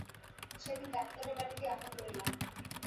সেদিন ডাক্তারের বাড়িতেই আহার করিলাম।